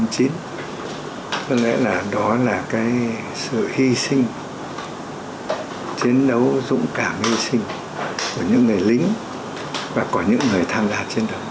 có lẽ là đó là cái sự hy sinh chiến đấu dũng cảm hy sinh của những người lính và của những người tham gia chiến đấu